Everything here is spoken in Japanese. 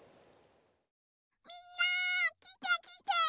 みんなきてきて！